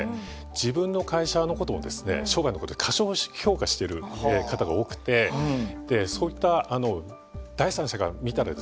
自分の会社のことをですね過小評価してる方が多くてそういった第三者から見たらですね